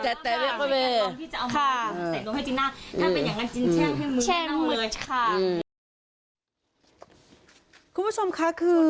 แม่ก็ต้องแม่ก็เล่นประวาชินแสดงให้โน้ม